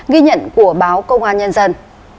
ghi nhận của báo công an nhân dân